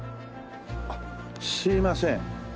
あっすいません。